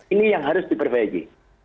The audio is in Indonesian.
ini yang harus diperbaiki